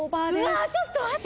うわちょっと待って。